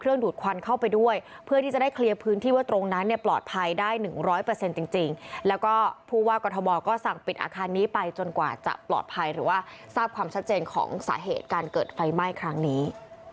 และภูวากฎาบอก็สั่งปิดอาคารนี้ไปจนกว่าจะปลอดภัยหรือว่าทราบความชัดเจนของสาเหตุการเกิดไฟไหม้ครั้งนี้